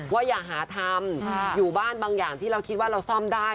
อย่าหาทำอยู่บ้านบางอย่างที่เราคิดว่าเราซ่อมได้